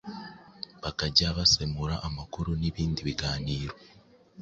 bakajya basemura amakuru n’ibindi biganiro